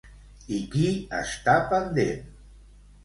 I qui està pendent?